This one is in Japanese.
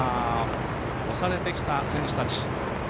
押されてきた選手たち。